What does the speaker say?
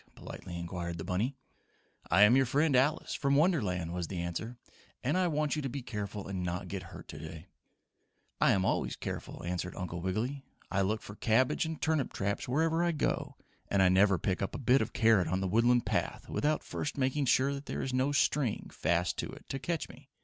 politely inquired the bunny. "I am your friend Alice, from Wonderland," was the answer, "and I want you to be careful and not get hurt today." "I always am careful," answered Uncle Wiggily. "I look for cabbage and turnip traps wherever I go, and I never pick up a bit of carrot on the Woodland path without first making sure there is no string fast to it, to catch me.